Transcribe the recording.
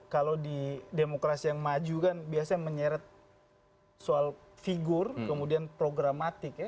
kalau di demokrasi yang maju kan biasanya menyeret soal figur kemudian programatik ya